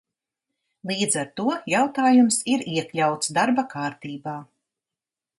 Līdz ar to jautājums ir iekļauts darba kārtībā.